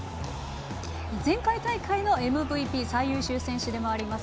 前回大会のＭＶＰ＝最優秀選手でもあります